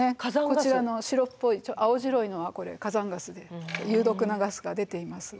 こちらの白っぽい青白いのは火山ガスで有毒なガスが出ています。